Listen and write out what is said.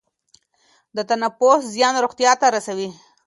د تنفس زیان روغتیا ته رسوي.